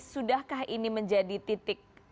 sudahkah ini menjadi titik